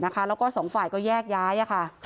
แล้วก็สองฝ่ายก็แยกย้ายค่ะ